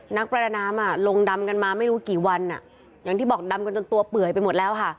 นักประดาน้ำอ่ะลงดำกันมาไม่รู้กี่วันอ่ะอย่างที่บอกดำกันจนตัวเปื่อยไปหมดแล้วค่ะ